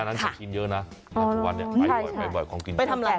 ดังนั้นจะกินเยอะนะทุกวันเนี่ยไปบ่อยของกินเยอะ